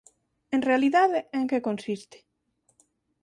En realidade, en que consiste?